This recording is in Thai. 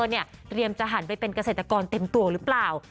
เตรียมจะหันไปเป็นเกษตรกรเต็มตัวหรือเปล่า